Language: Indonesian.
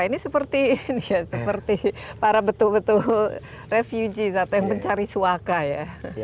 ini seperti ini ya seperti para betul betul refugees atau yang mencari suaka ya